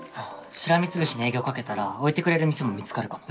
しらみつぶしに営業かけたら置いてくれる店も見つかるかも。